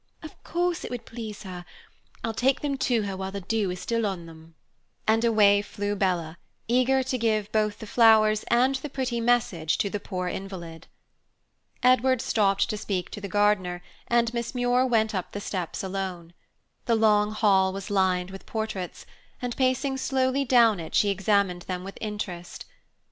Of course it would please her. I'll take them to her while the dew is still on them." And away flew Bella, eager to give both the flowers and the pretty message to the poor invalid. Edward stopped to speak to the gardener, and Miss Muir went up the steps alone. The long hall was lined with portraits, and pacing slowly down it she examined them with interest.